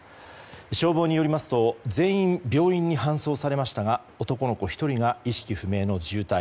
消防によりますと全員、病院に搬送されましたが男の子１人が意識不明の重体。